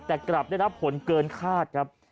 แต่กลับได้รับผลเกินคาดครับ